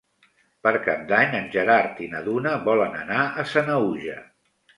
Per Cap d'Any en Gerard i na Duna volen anar a Sanaüja.